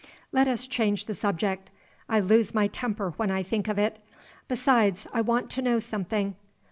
Let us change the subject. I lose my temper when I think of it. Besides, I want to know something.